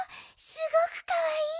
すごくかわいい！